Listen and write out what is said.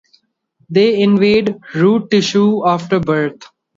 They invade root tissue after birth.